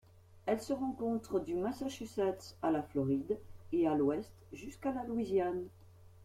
Elle se rencontre du Massachusetts à la Floride et à l'Ouest jusqu'à la Louisiane.